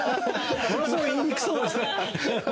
ものすごい言いにくそうですね。